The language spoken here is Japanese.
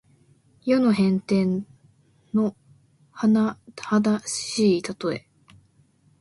世の変転のはなはだしいたとえ。